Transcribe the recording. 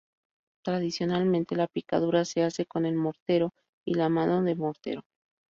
Tradicionalmente la picadura se hace con el mortero y la mano de mortero.